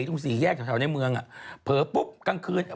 โดนมาหลายรอบแล้วค่ะแล้วคนที่บ้านก็โดน